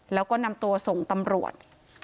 แล้วก็นำตัวส่งตำรวจ